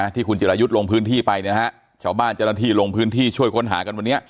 ที่คุณจิรายุทธ์ลงพื้นที่ไปเนี่ยนะฮะชาวบ้านเจ้าหน้าที่ลงพื้นที่ช่วยค้นหากันวันนี้